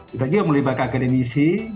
kita juga melibat ke akademisi